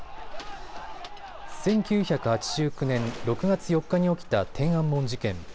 １９８９年６月４日に起きた天安門事件。